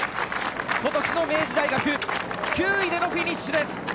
今年の明治大学９位でのフィニッシュです。